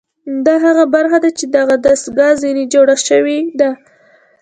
دا هغه برخه ده چې دغه دستګاه ځنې جوړه شوې ده